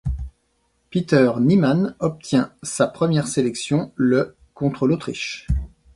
Peter Nymann obtient sa première sélection le contre l'Autriche.